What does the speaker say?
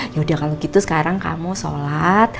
yaudah kalau gitu sekarang kamu sholat